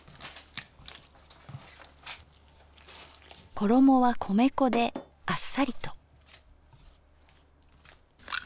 衣は米粉であっさりと。